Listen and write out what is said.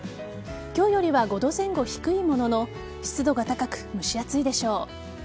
今日よりは５度前後低いものの湿度が高く、蒸し暑いでしょう。